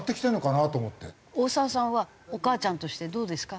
大沢さんはお母ちゃんとしてどうですか？